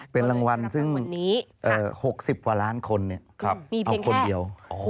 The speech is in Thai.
เป็นรางวัลซึ่ง๖๐กว่าล้านคนเอาคนเดียว